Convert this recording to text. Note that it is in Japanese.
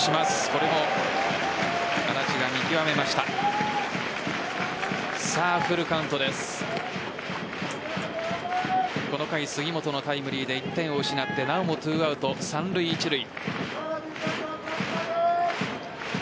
この回杉本のタイムリーで１点を失ってなおも２アウト三塁・一塁。